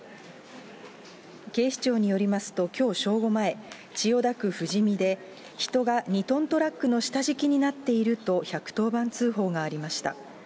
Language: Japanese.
警視庁によりますと、きょう正午前、千代田区ふじみで、人が２トントラックの下敷きになっていると、１１０番通報がありました。